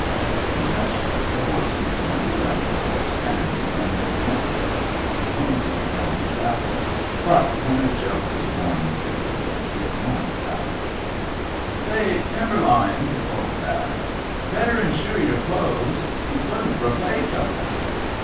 He touched the horses, and we left the boy standing and looking after us, lonely and baffled. But when a joke was born in Scipio it must out: "Say, Timberline," he called back, "better insure your clothes. Y'u couldn't replace *em."